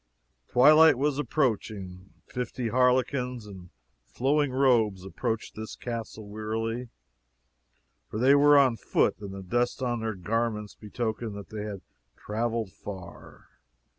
Twilight was approaching. Fifty harlequins, in flowing robes, approached this castle wearily, for they were on foot, and the dust upon their garments betokened that they had traveled far.